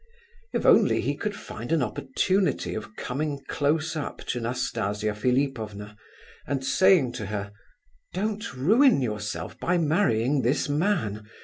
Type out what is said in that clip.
If only he could find an opportunity of coming close up to Nastasia Philipovna and saying to her: "Don't ruin yourself by marrying this man.